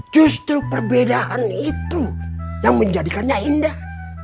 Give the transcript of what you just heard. justru perbedaan itu yang menjadikannya indah